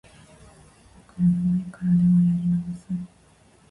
いくらでもいくらでもやり直す